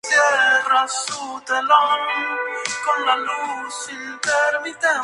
No aceptó la compensación por servicios, mientras que estuvo en la función pública.